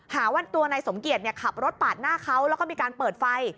หาว่าตัวนายสมเกียจขับรถปาดหน้าเขาแล้วก็มีการเปิดไฟ